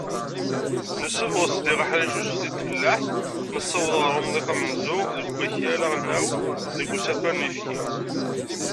Nessebɣes diɣ aḥric n usefti deg tfellaḥt, nessaweḍ ɣar umḍiq amenzu deg wakal aɣelnaw deg usafar n uyefki.